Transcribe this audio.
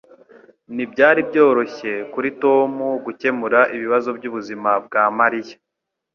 Ntibyari byoroshye kuri Tom gukemura ibibazo byubuzima bwa Mariya.